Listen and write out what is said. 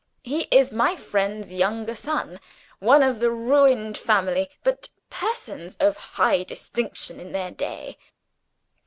He is my friend's younger son; one of a ruined family but persons of high distinction in their day."